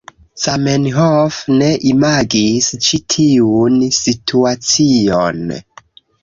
Zamenhof ne imagis ĉi tiun situacion